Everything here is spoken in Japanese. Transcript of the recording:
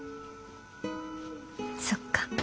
そっか。